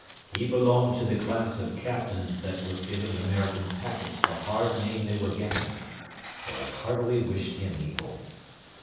He belonged to the class of captains that was giving American packets the hard name they were getting, so I heartily wished him evil.